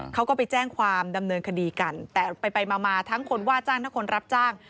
เขาก็ไปแจ้งความดำเนินคดีกันแต่ไปมามาทั้งคนว่าจ้างทั้งคนรับจ้าง